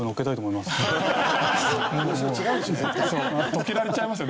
どけられちゃいますよ